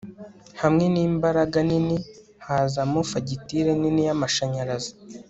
hamwe n'imbaraga nini hazamo fagitire nini y'amashanyarazi